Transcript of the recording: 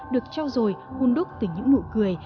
được trao đổi hôn đúc từ những nụ cười